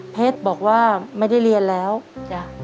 เพชต์บอกว่าไม่ได้เรียนแล้วเดี๋ยว